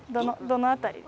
どの辺り？